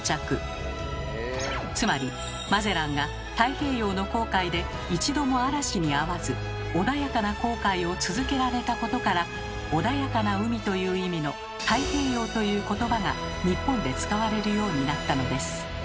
つまりマゼランが太平洋の航海で一度も嵐にあわず穏やかな航海を続けられたことから「穏やかな海」という意味の「太平洋」という言葉が日本で使われるようになったのです。